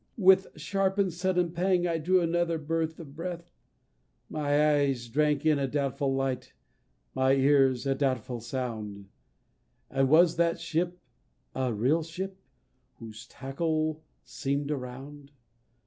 With sharp and sudden pang I drew another birth of breath; My eyes drank in a doubtful light, my ears a doubtful sound And was that ship a real ship whose tackle seem'd around?